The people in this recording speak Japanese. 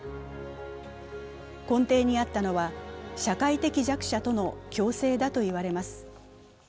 根底にあったのは社会的弱者との共生だといわれます。